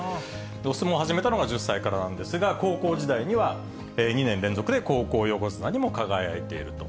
お相撲始めたのが１０歳からなんですが、高校時代には、２年連続で高校横綱にも輝いていると。